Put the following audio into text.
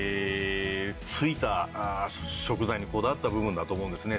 にこだわった部分だと思うんですね。